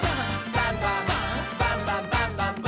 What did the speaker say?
バンバン」「バンバンバンバンバンバン！」